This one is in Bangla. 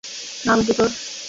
নাম কী তোর?